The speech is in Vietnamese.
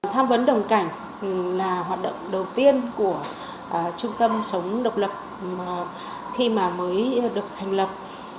tham vấn đồng cảnh là hoạt động đầu tiên của trung tâm sống độc lập khi mà mới được thành lập